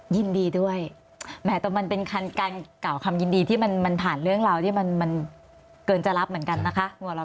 ยินดีด้วยแหมแต่มันเป็นการกล่าวคำยินดีที่มันผ่านเรื่องราวที่มันเกินจะรับเหมือนกันนะคะ